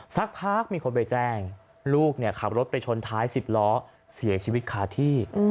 สักพักมีคนไปแจ้งลูกขับรถไปชนท้าย๑๐ล้อเสียชีวิตคาที่